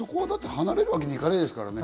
離れるわけにいかないですからね。